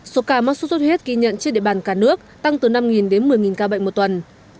số ca mắc sốt xuất huyết ghi nhận trên địa bàn cả nước tăng từ năm đến một mươi ca bệnh một tuần